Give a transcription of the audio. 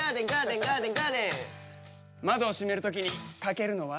窓を閉める時にかけるのは？